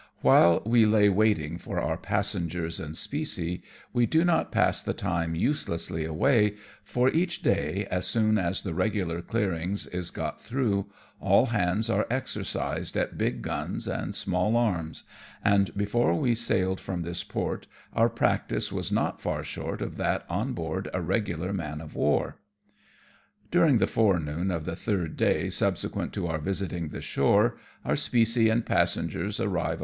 While we lay waiting for our passengers and specie, we do not pass the time uselessly away, for each day, as soon as the regular clearing is got through, all hands are exercised at big guns and small arms, and before we sailed from this port our practice was not far short of that on board a regular man of war. During the forenoon of the third day subsequent to our visiting the shore, our specie and passengers arrive 48 AMONG TYPHOONS AND PIRATE CRAFT.